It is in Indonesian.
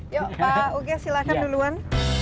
yuk pak uge silahkan duluan